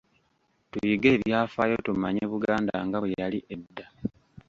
Tuyige ebyafaayo tumanye Buganda nga bwe yali edda.